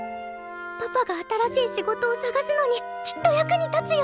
パパが新しい仕事を探すのにきっと役に立つよ。